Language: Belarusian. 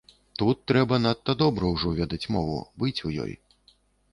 Тут трэба надта добра ўжо ведаць мову, быць у ёй.